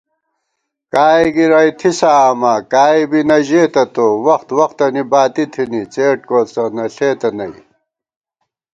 کائےگِرَئی تھِسہ آما ، کائے بی نہ ژېتہ تو * وخت وختنی باتی تھنی څېڈ کوڅہ نہ ݪېتہ نئ